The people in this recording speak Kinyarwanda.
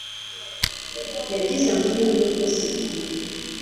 yagize amahirwe rwose guhunga